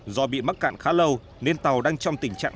do bị mắc cạn khá lâu nên tàu đang trong tình trạng